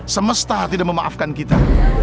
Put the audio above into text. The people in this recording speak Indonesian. semesta tidak memaafkan kita